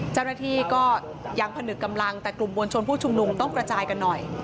เจ้าหน้าที่ก็ยังผนึกกำลังแต่กลุ่มมวลชนผู้ชุมนุมต้องกระจายกันหน่อย